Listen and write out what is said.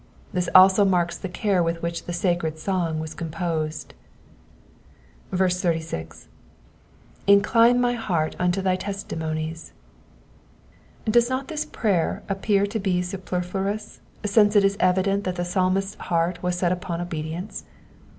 This also marks the care with which this sacred song was composed. 86. ^^ Incline my heart unto thy testimonies,'*'^ Dbes not this prayer appear to be superfluous, since it is evident that the Psalmist's heart was set upon obedience